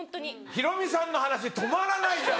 ヒロミさんの話止まらないじゃん